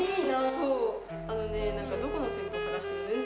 そうあのね何かどこの店舗探しても全然。